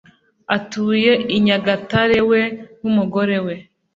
atuye i nyagatare we n’umugore we.